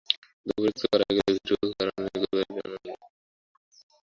দুপুর একটু গড়াইয়া গেলে হীরু গাড়োয়ানের গরুর গাড়ি রওনা হইল।